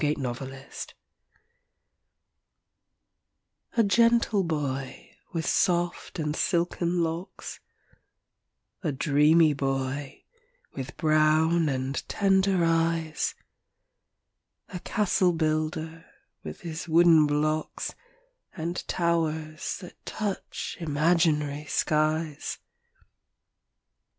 THE CASTLE BUILDER A gentle boy, with soft and silken locks A dreamy boy, with brown and tender eyes, A castle builder, with his wooden blocks, And towers that touch imaginary skies.